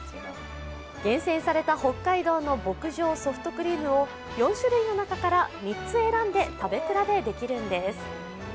厳選された北海道の牧場ソフトクリームを４種類の中から３つ選んで食べ比べできるんです。